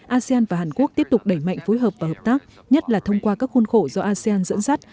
asean và hàn quốc tiếp tục đẩy mạnh phối hợp và hợp tác nhất là thông qua các khuôn khổ do asean dẫn dắt